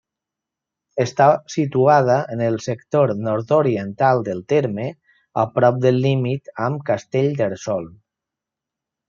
Està situada en el sector nord-oriental del terme, a prop del límit amb Castellterçol.